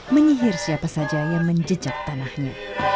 menyihir siapa saja yang menjejak tanahnya